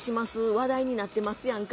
話題になってますやんか。